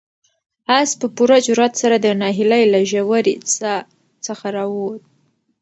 آس په پوره جرئت سره د ناهیلۍ له ژورې څاه څخه راووت.